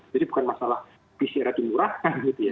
jadi bukan masalah pcr yang dimurahkan gitu ya